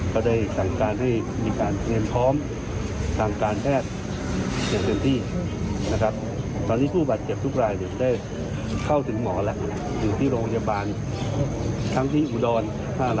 ก็ได้สั่งการให้มีงานเตรียมพร้อมสั่งการแทท